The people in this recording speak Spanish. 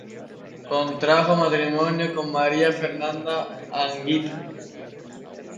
Contrajo matrimonio con María Fernanda Anguita.